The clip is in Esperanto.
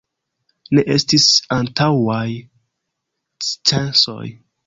Ne estis antaŭaj censoj.